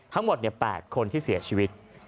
ทั้งหมด๘คนที่เสียชีวิต